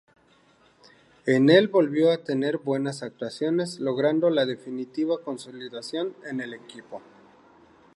En el volvió a tener buenas actuaciones, logrando la definitiva consolidación en el equipo.